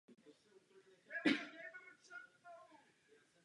Tento název byl plánován již dávno před založením.